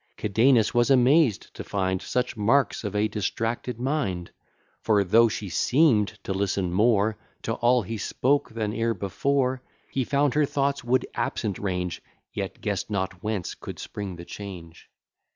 Cadenus was amazed to find Such marks of a distracted mind: For, though she seem'd to listen more To all he spoke, than e'er before, He found her thoughts would absent range, Yet guess'd not whence could spring the change.